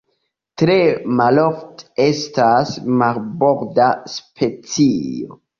Tre malofte estas marborda specio.